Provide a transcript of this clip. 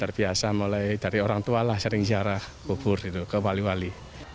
terbiasa mulai dari orang tua lah sering ziarah kubur gitu ke wali wali